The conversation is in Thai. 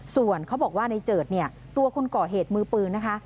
ส่วนเขาบอกว่าในเจิดเนี่ยตัวคนก่อเหตุมือปืนนะคะ